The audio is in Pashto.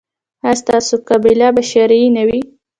ایا ستاسو قباله به شرعي نه وي؟